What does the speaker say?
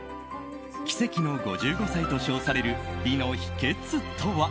奇跡の５５歳と称される美の秘訣とは。